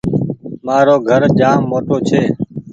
مآرو گھر جآم موٽو ڇي